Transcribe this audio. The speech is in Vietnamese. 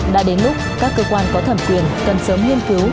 đã đến lúc các cơ quan có thẩm quyền cần sớm nghiên cứu